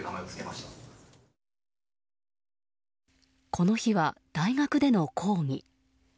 この日は大学での講義。